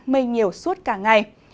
mây nhiều suốt cả ngày